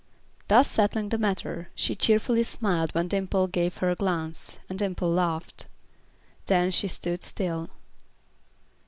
Thus settling the matter, she cheerfully smiled when Dimple gave her a glance, and Dimple laughed. Then she stood still.